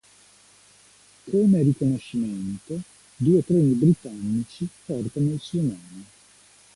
Come riconoscimento, due treni britannici portano il suo nome.